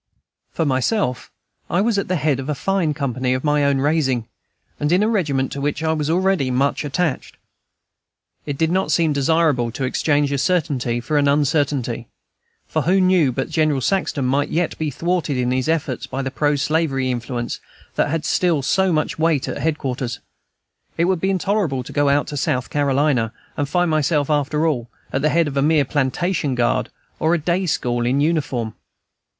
For myself, I was at the head of a fine company of my own raising, and in a regiment to which I was already much attached. It did not seem desirable to exchange a certainty for an uncertainty; for who knew but General Saxton might yet be thwarted in his efforts by the pro slavery influence that had still so much weight at head quarters? It would be intolerable to go out to South Carolina, and find myself, after all, at the head of a mere plantation guard or a day school in uniform.